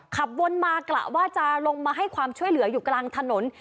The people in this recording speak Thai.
ขับวนมากะว่าจะลงมาให้ความช่วยเหลืออยู่กลางถนน